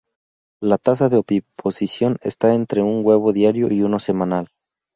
La tasa de oviposición está entre un huevo diario y uno semanal.